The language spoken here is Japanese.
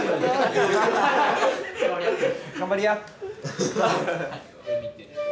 頑張りや！